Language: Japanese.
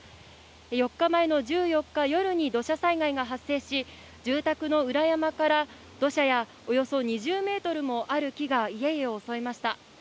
４日前の１４日夜に土砂災害が発生し、住宅の裏山から、土砂や、およそ２０メートルも歩きが家々を襲いました。